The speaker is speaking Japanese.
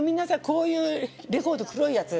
こういうレコード黒いやつ。